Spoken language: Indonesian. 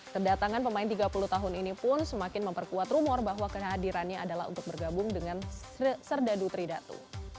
kedatangan pemain tiga puluh tahun ini pun semakin memperkuat rumor bahwa kehadirannya adalah untuk bergabung dengan serdadu tridatu